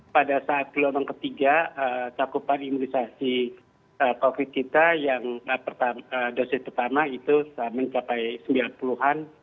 pada saat gelombang ketiga cakupan imunisasi covid kita yang dosis pertama itu mencapai sembilan puluh an